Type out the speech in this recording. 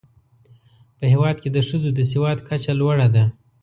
په هېواد کې د ښځو د سواد کچه لوړه ده.